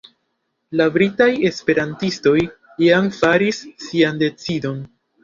La britaj esperantistoj jam faris sian decidon.